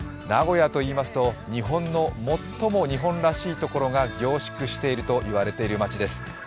名古屋といいますと日本の最も日本らしいところが凝縮している街といわれています。